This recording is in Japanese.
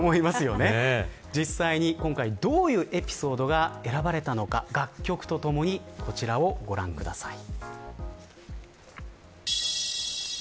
実際に今回どのようなエピソードが選ばれたのか楽曲とともにこちらをご覧ください。